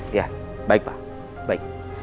iya baik pak baik